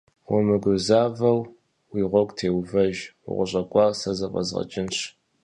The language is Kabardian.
Умыгузэвэу уи гъуэгу теувэж, укъыщӏэкӏуар сэ зэфӏэзгъэкӏынщ.